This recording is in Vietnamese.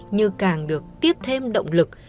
như càng được tiếp thêm động lực